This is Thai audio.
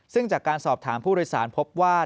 ซึ่งจากการสอบถามผู้โดยสารพบว่า